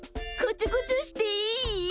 こちょこちょしていい？